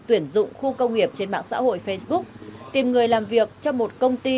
tuyển dụng khu công nghiệp trên mạng xã hội facebook tìm người làm việc cho một công ty